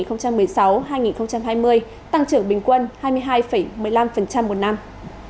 trong giai đoạn hai nghìn một mươi sáu hai nghìn hai mươi tăng trưởng bình quân hai mươi hai một mươi năm một năm